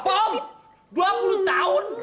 apa om dua puluh tahun